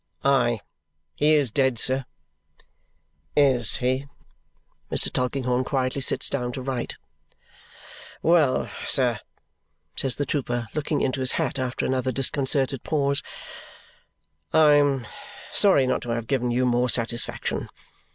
"Aye! He is dead, sir." "IS he?" Mr. Tulkinghorn quietly sits down to write. "Well, sir," says the trooper, looking into his hat after another disconcerted pause, "I am sorry not to have given you more satisfaction.